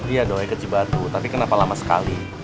iya doi keci batu tapi kenapa lama sekali